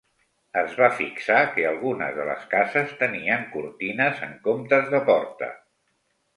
Es va fixar que algunes de les cases tenien cortines en comptes de porta.